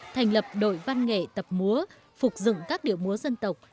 thành lập đội văn nghệ tập múa phục dựng các điệu múa dân tộc